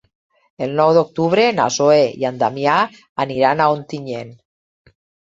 El nou d'octubre na Zoè i en Damià aniran a Ontinyent.